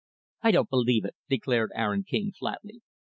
"I don't believe it," declared Aaron King, flatly.